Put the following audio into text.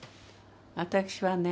私はね